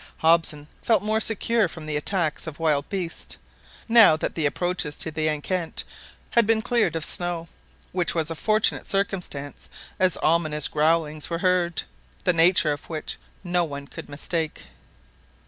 Hobson felt more secure from the attacks of wild beasts, now that the approaches to the enceinte had been cleared of snow, which was a fortunate circumstance, as ominous growlings were heard, the nature of which no one could mistake.